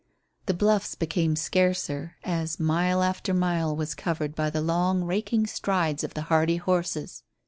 The bluffs became scarcer as mile after mile was covered by the long, raking strides of the hardy horses.